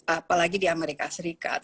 apalagi di amerika serikat